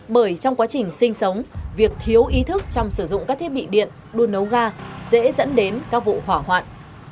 bởi trong quá trình sinh sống việc thiếu ý thức trong sử dụng các thiết bị điện đun nấu ga dễ dẫn đến các vụ hỏa hoạn